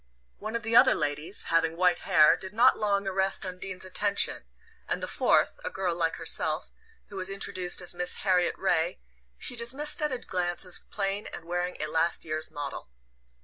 One of the other ladies, having white hair, did not long arrest Undine's attention; and the fourth, a girl like herself, who was introduced as Miss Harriet Ray, she dismissed at a glance as plain and wearing a last year's "model."